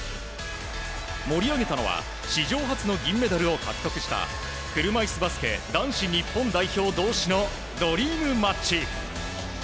盛り上げたのは史上初の銀メダルを獲得した車いすバスケ男子日本代表同士のドリームマッチ。